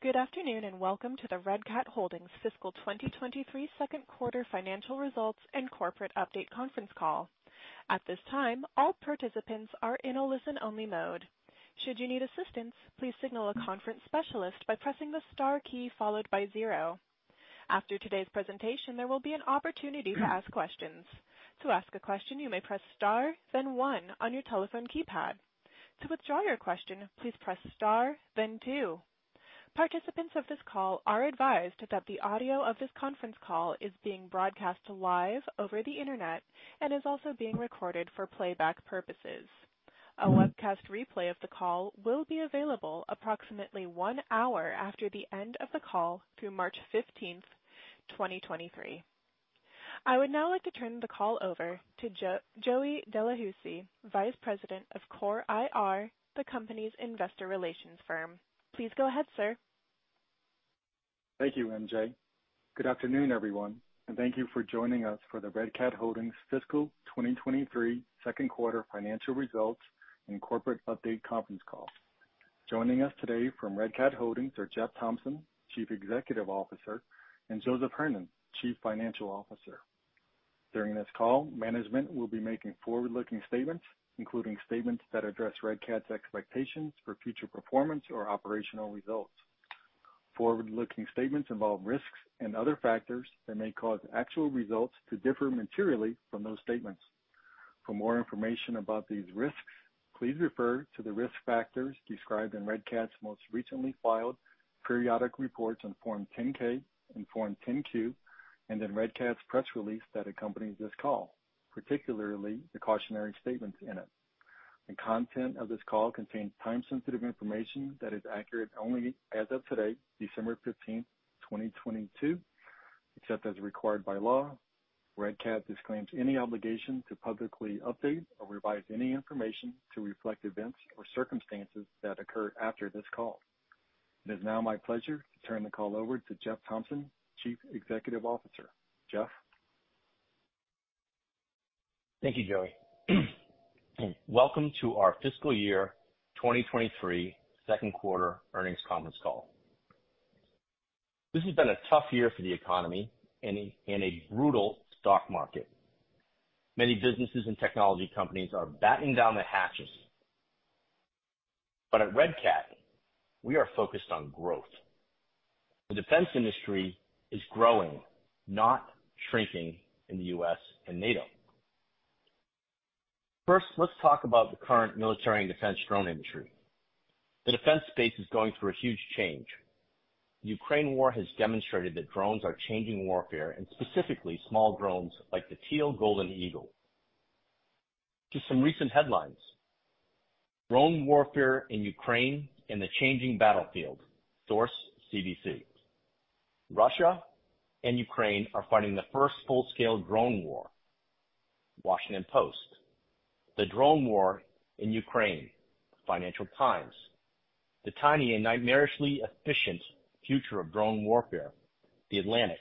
Good afternoon, welcome to the Red Cat Holdings fiscal 2023 second quarter financial results and corporate update conference call. At this time, all participants are in a listen-only mode. Should you need assistance, please signal a conference specialist by pressing the star key followed by zero. After today's presentation, there will be an opportunity to ask questions. To ask a question, you may press star then one on your telephone keypad. To withdraw your question, please press star then two. Participants of this call are advised that the audio of this conference call is being broadcast live over the Internet and is also being recorded for playback purposes. A webcast replay of the call will be available approximately one hour after the end of the call through March 15th, 2023. I would now like to turn the call over to Joey Delahoussaye, Vice President of CORE IR, the company's investor relations firm. Please go ahead, sir. Thank you, MJ. Good afternoon, everyone, and thank you for joining us for the Red Cat Holdings Fiscal 2023 Second Quarter Financial Results and Corporate Update Conference Call. Joining us today from Red Cat Holdings are Jeff Thompson, Chief Executive Officer, and Joseph Hernon, Chief Financial Officer. During this call, management will be making forward-looking statements, including statements that address Red Cat's expectations for future performance or operational results. Forward-looking statements involve risks and other factors that may cause actual results to differ materially from those statements. For more information about these risks, please refer to the risk factors described in Red Cat's most recently filed periodic reports on Form 10-K and Form 10-Q and in Red Cat's press release that accompanies this call, particularly the cautionary statements in it. The content of this call contains time-sensitive information that is accurate only as of today, December 15th, 2022. Except as required by law, Red Cat disclaims any obligation to publicly update or revise any information to reflect events or circumstances that occur after this call. It is now my pleasure to turn the call over to Jeff Thompson, Chief Executive Officer. Jeff? Thank you, Joey. Welcome to our fiscal year 2023 second quarter earnings conference call. This has been a tough year for the economy and a brutal stock market. Many businesses and technology companies are batten down the hatches. At Red Cat, we are focused on growth. The defense industry is growing, not shrinking in the U.S. and NATO. First, let's talk about the current military and defense drone industry. The defense space is going through a huge change. The Ukraine war has demonstrated that drones are changing warfare and specifically small drones like the Teal Golden Eagle. Just some recent headlines. Drone warfare in Ukraine and the changing battlefield. Source, CBC. Russia and Ukraine are fighting the first full-scale drone war, Washington Post. The drone war in Ukraine, Financial Times. The tiny and nightmarishly efficient future of drone warfare, The Atlantic.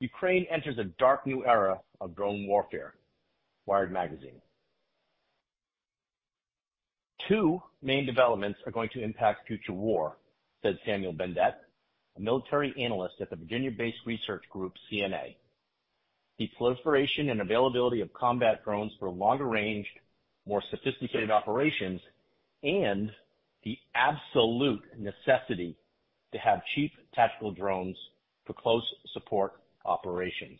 Ukraine enters a dark new era of drone warfare, Wired magazine. Two main developments are going to impact future war, says Samuel Bendett, a military analyst at the Virginia-based research group CNA. The proliferation and availability of combat drones for longer-ranged, more sophisticated operations, and the absolute necessity to have cheap tactical drones for close support operations.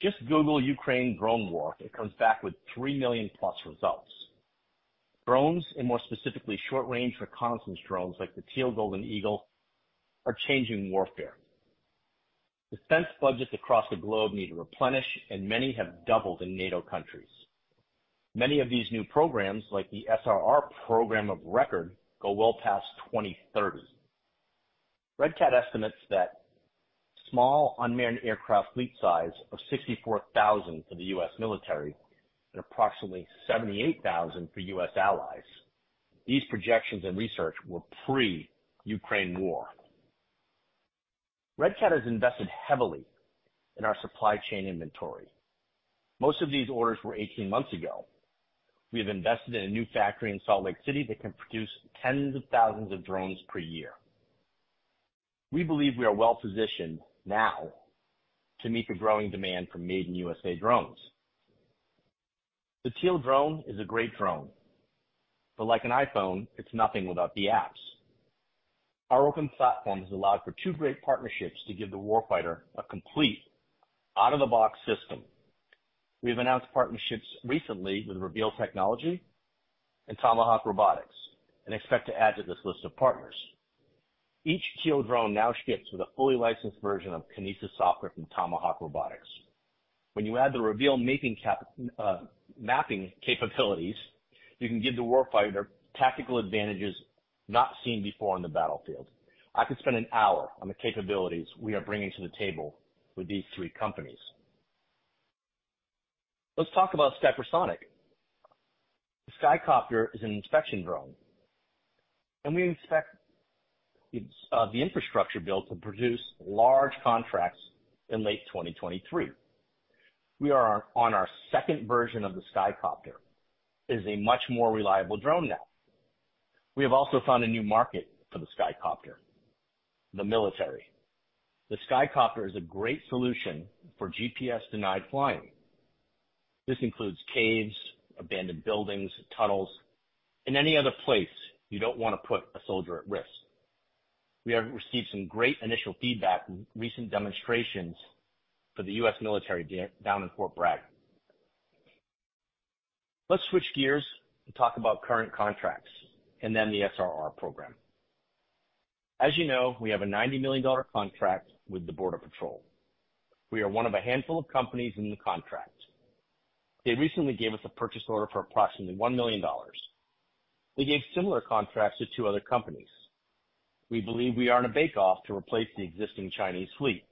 Just Google Ukraine drone war. It comes back with three million-plus results. Drones, and more specifically, Short Range Reconnaissance drones like the Teal Golden Eagle, are changing warfare. Defense budgets across the globe need to replenish, and many have doubled in NATO countries. Many of these new programs, like the SRR Program of Record, go well past 2030. Red Cat estimates that small unmanned aircraft fleet size of 64,000 for the U.S. military and approximately 78,000 for U.S. allies. These projections and research were pre-Ukraine war. Red Cat has invested heavily in our supply chain inventory. Most of these orders were 18 months ago. We have invested in a new factory in Salt Lake City that can produce tens of thousands of drones per year. We believe we are well-positioned now to meet the growing demand for made in USA drones. The Teal drone is a great drone. Like an iPhone, it's nothing without the apps. Our open platform has allowed for two great partnerships to give the war fighter a complete out-of-the-box system. We have announced partnerships recently with Reveal Technology and Tomahawk Robotics, expect to add to this list of partners. Each Teal drone now ships with a fully licensed version of Kinesis software from Tomahawk Robotics. When you add the Reveal mapping capabilities, you can give the war fighter tactical advantages not seen before on the battlefield. I could spend an hour on the capabilities we are bringing to the table with these three companies. Let's talk about Skypersonic. The Skycopter is an inspection drone, and we expect it's the infrastructure build to produce large contracts in late 2023. We are on our second version of the Skycopter. It is a much more reliable drone now. We have also found a new market for the Skycopter, the military. The Skycopter is a great solution for GPS-denied flying. This includes caves, abandoned buildings, tunnels, and any other place you don't wanna put a soldier at risk. We have received some great initial feedback in recent demonstrations for the U.S. military in Fort Bragg. Let's switch gears and talk about current contracts and then the SRR program. As you know, we have a $90 million contract with the Border Patrol. We are one of a handful of companies in the contract. They recently gave us a purchase order for approximately $1 million. They gave similar contracts to two other companies. We believe we are in a bake-off to replace the existing Chinese fleet.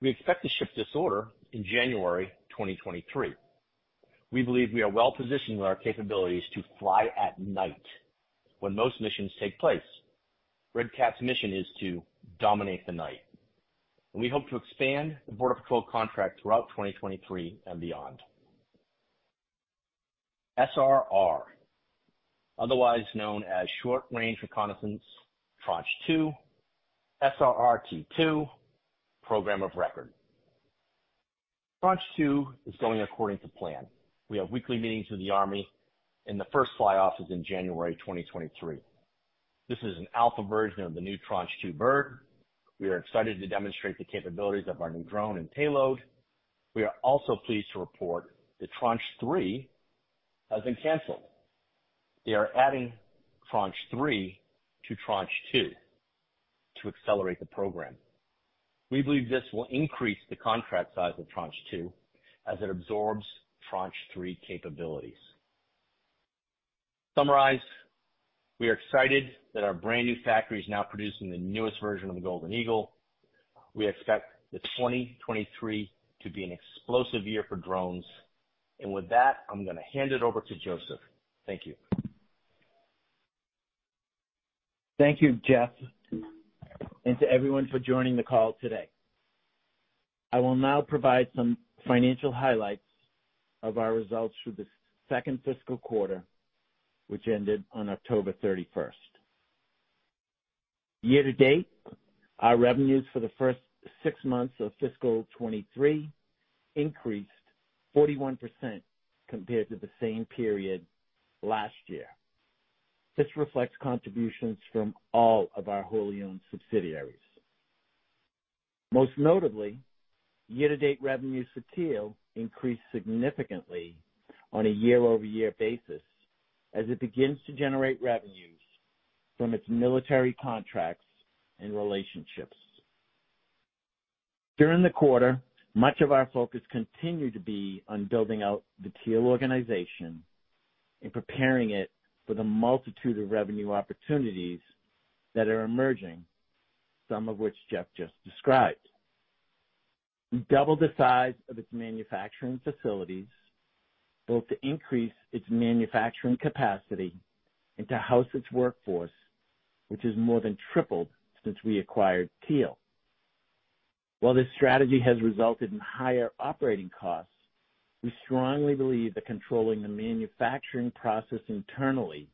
We expect to ship this order in January 2023. We believe we are well-positioned with our capabilities to fly at night, when most missions take place. Red Cat's mission is to dominate the night, and we hope to expand the Border Patrol contract throughout 2023 and beyond. SRR, otherwise known as Short Range Reconnaissance Tranche 2, SRR T2 program of record. Tranche 2 is going according to plan. We have weekly meetings with the Army and the first fly off is in January 2023. This is an alpha version of the new Tranche 2 bird. We are excited to demonstrate the capabilities of our new drone and payload. We are also pleased to report that Tranche 3 has been canceled. They are adding Tranche 3 to Tranche 2 to accelerate the program. We believe this will increase the contract size of Tranche 2 as it absorbs Tranche 3 capabilities. Summarize, we are excited that our brand new factory is now producing the newest version of the Golden Eagle. We expect the 2023 to be an explosive year for drones. With that, I'm gonna hand it over to Joseph. Thank you. Thank you, Jeff, and to everyone for joining the call today. I will now provide some financial highlights of our results through the second fiscal quarter, which ended on October 31st. Year to date, our revenues for the first six months of fiscal 2023 increased 41% compared to the same period last year. This reflects contributions from all of our wholly owned subsidiaries. Most notably, Year to date, revenues for Teal increased significantly on a year-over-year basis as it begins to generate revenues from its military contracts and relationships. During the quarter, much of our focus continued to be on building out the Teal organization and preparing it for the multitude of revenue opportunities that are emerging, some of which Jeff just described. We doubled the size of its manufacturing facilities, both to increase its manufacturing capacity and to house its workforce, which has more than tripled since we acquired Teal. While this strategy has resulted in higher operating costs, we strongly believe that controlling the manufacturing process internally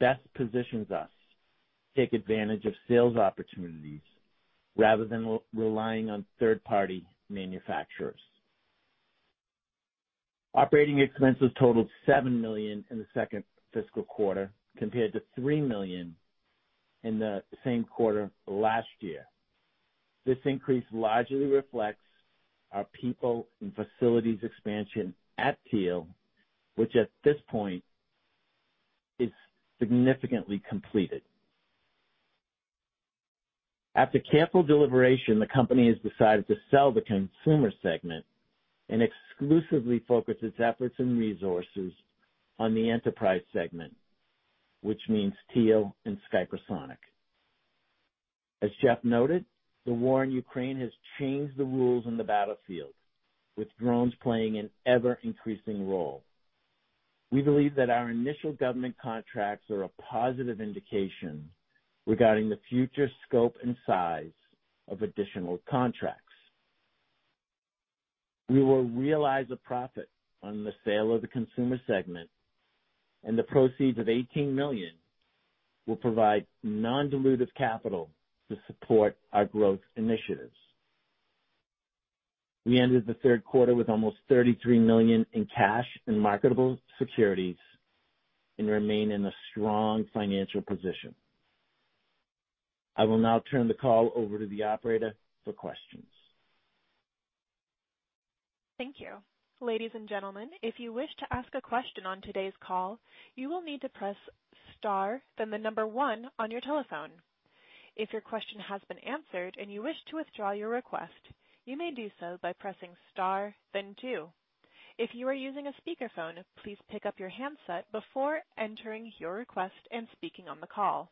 best positions us to take advantage of sales opportunities rather than re-relying on third-party manufacturers. Operating expenses totaled $7 million in the second fiscal quarter, compared to $3 million in the same quarter last year. This increase largely reflects our people and facilities expansion at Teal, which at this point is significantly completed. After careful deliberation, the company has decided to sell the consumer segment and exclusively focus its efforts and resources on the enterprise segment, which means Teal and Skypersonic. As Jeff noted, the war in Ukraine has changed the rules in the battlefield, with drones playing an ever-increasing role. We believe that our initial government contracts are a positive indication regarding the future scope and size of additional contracts. We will realize a profit on the sale of the consumer segment and the proceeds of $18 million will provide non-dilutive capital to support our growth initiatives. We ended the third quarter with almost $33 million in cash and marketable securities and remain in a strong financial position. I will now turn the call over to the operator for questions. Thank you. Ladies and gentlemen, if you wish to ask a question on today's call, you will need to press star then the number one on your telephone. If your question has been answered and you wish to withdraw your request, you may do so by pressing star then two. If you are using a speakerphone, please pick up your handset before entering your request and speaking on the call.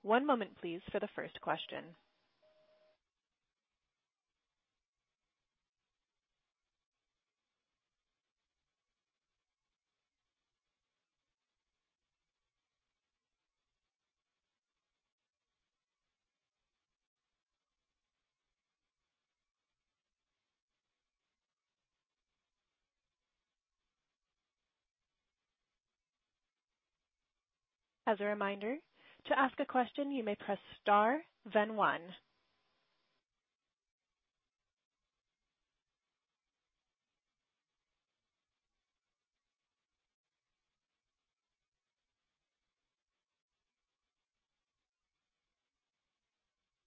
One moment please for the first question. As a reminder, to ask a question, you may press star then one.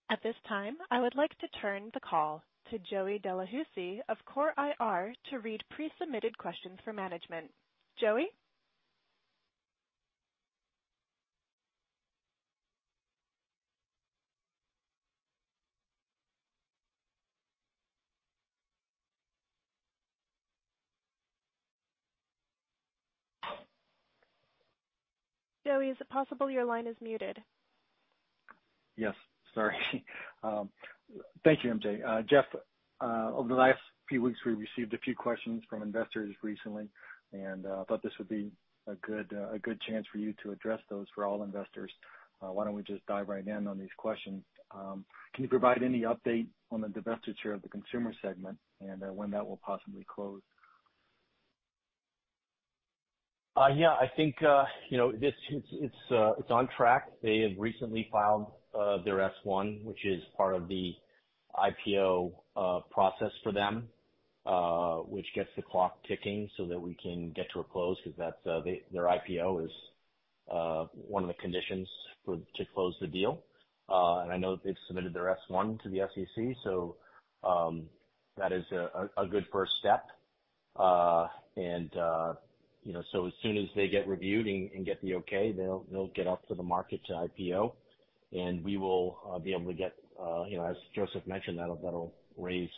At this time, I would like to turn the call to Joey Delahoussaye of CORE IR to read pre-submitted questions for management. Joey? Joey, is it possible your line is muted? Yes. Sorry. Thank you, MJ. Jeff, over the last few weeks, we received a few questions from investors recently, and I thought this would be a good, a good chance for you to address those for all investors. Why don't we just dive right in on these questions? Can you provide any update on the divestiture of the consumer segment and when that will possibly close? I think, you know, it's on track. They have recently filed their S-1, which is part of the IPO process for them, which gets the clock ticking so that we can get to a close because that's their IPO is one of the conditions for to close the deal. I know they've submitted their S-1 to the SEC, so that is a good first step. You know, as soon as they get reviewed and get the okay, they'll get up to the market to IPO, and we will be able to get, you know, as Joseph mentioned, that'll raise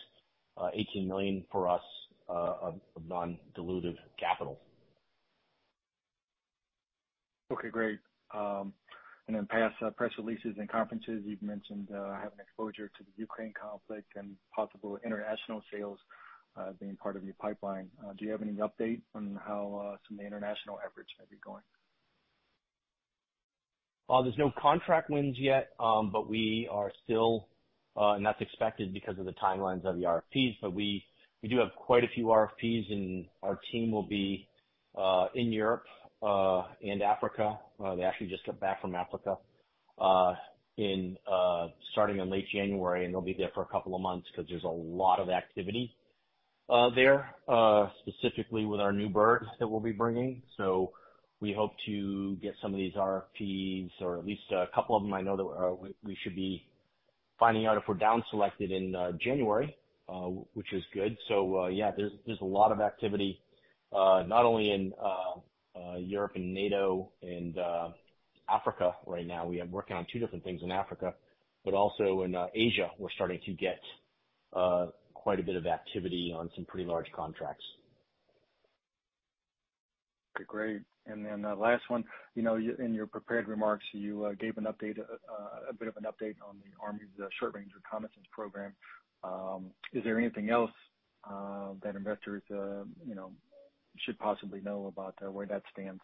$18 million for us of non-dilutive capital. Okay, great. In past press releases and conferences, you've mentioned having exposure to the Ukraine conflict and possible international sales being part of your pipeline. Do you have any update on how some of the international efforts may be going? There's no contract wins yet, but we are still, and that's expected because of the timelines of the RFPs. We do have quite a few RFPs and our team will be in Europe and Africa. They actually just got back from Africa, in starting in late January, and they'll be there for a couple of months 'cause there's a lot of activity there, specifically with our new birds that we'll be bringing. We hope to get some of these RFPs or at least a couple of them. I know that we should be finding out if we're down selected in January, which is good. Yeah, there's a lot of activity not only in Europe and NATO and Africa right now. We have working on two different things in Africa, but also in Asia, we're starting to get quite a bit of activity on some pretty large contracts. Okay, great. The last one. You know, in your prepared remarks, you gave an update, a bit of an update on the Army's Short Range Reconnaissance program. Is there anything else that investors, you know, should possibly know about where that stands?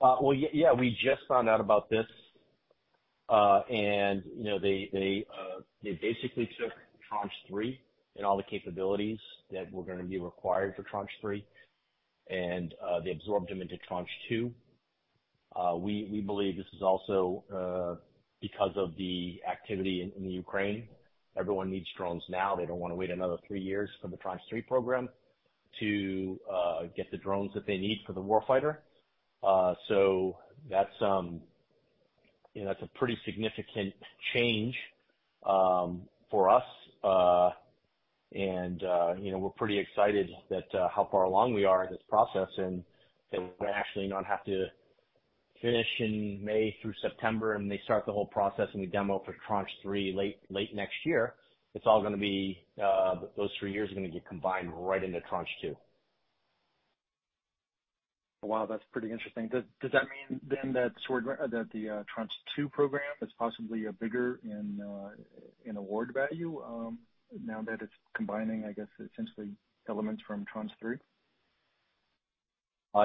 Well, yeah, we just found out about this. You know, they, they basically took Tranche 3 and all the capabilities that were gonna be required for Tranche 3 and they absorbed them into Tranche 2. We, we believe this is also because of the activity in the Ukraine. Everyone needs drones now. They don't wanna wait another three years for the Tranche 3 program to get the drones that they need for the warfighter. That's, you know, that's a pretty significant change for us. You know, we're pretty excited that how far along we are in this process and that we actually not have to finish in May through September and then start the whole process and the demo for Tranche 3 late next year. It's all gonna be, those three years are gonna get combined right into Tranche 2. Wow, that's pretty interesting. Does that mean then that the Tranche 2 program is possibly a bigger in award value, now that it's combining, I guess, essentially elements from Tranche 3?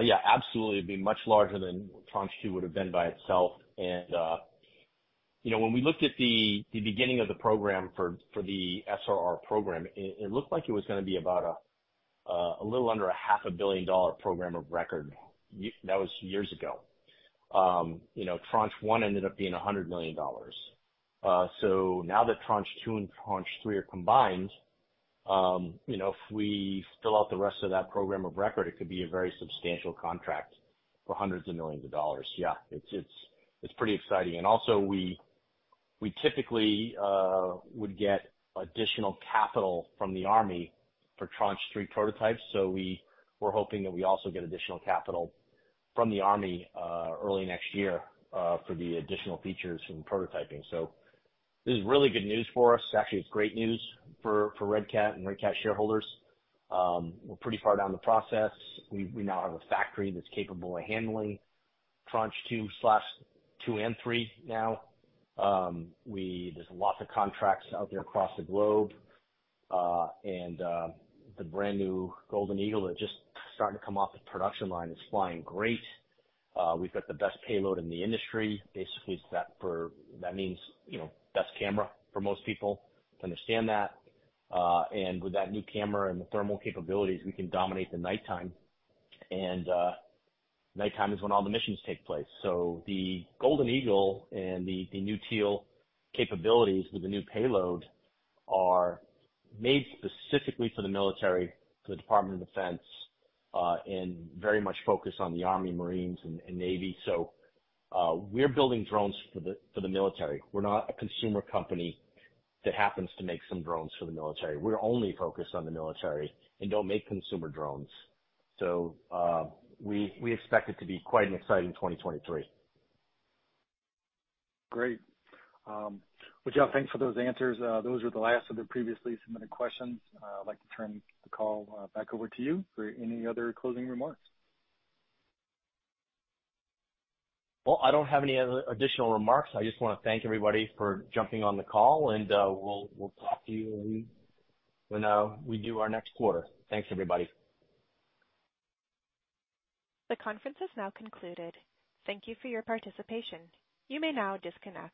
Yeah, absolutely. It'd be much larger than Tranche 2 would have been by itself. You know, when we looked at the beginning of the program for the SRR program, it looked like it was gonna be about a little under a half a billion-dollar program of record. That was years ago. You know, Tranche 1 ended up being $100 million. Now that Tranche 2 and Tranche 3 are combined, you know, if we fill out the rest of that program of record, it could be a very substantial contract for hundreds of millions of dollars. Yeah, it's pretty exciting. Also we typically would get additional capital from the Army for Tranche 3 prototypes. We were hoping that we also get additional capital from the Army early next year for the additional features and prototyping. This is really good news for us. Actually, it's great news for Red Cat and Red Cat shareholders. We're pretty far down the process. We now have a factory that's capable of handling Tranche 2 and 3 now. There's lots of contracts out there across the globe. The brand new Golden Eagle that just starting to come off the production line is flying great. We've got the best payload in the industry. Basically, it's that means, you know, best camera for most people to understand that. With that new camera and the thermal capabilities, we can dominate the nighttime. Nighttime is when all the missions take place. The Golden Eagle and the new Teal capabilities with the new payload are made specifically for the military, for the Department of Defense, and very much focused on the Army, Marines, and Navy. We're building drones for the military. We're not a consumer company that happens to make some drones for the military. We're only focused on the military and don't make consumer drones. We expect it to be quite an exciting 2023. Great. Well, Jeff, thanks for those answers. Those were the last of the previously submitted questions. I'd like to turn the call back over to you for any other closing remarks. Well, I don't have any other additional remarks. I just wanna thank everybody for jumping on the call, and we'll talk to you when we do our next quarter. Thanks, everybody. The conference has now concluded. Thank you for your participation. You may now disconnect.